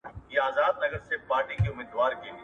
قومي اتحاد د ملت د يووالي نښه ده.